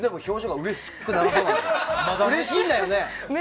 うれしいんだよね？